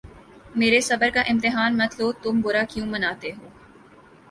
میرے صبر کا امتحان مت لو تم برا کیوں مناتے ہو